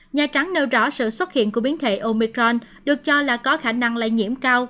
nhà trắng nêu rõ sự xuất hiện của biến thể omicron được cho là có khả năng lây nhiễm cao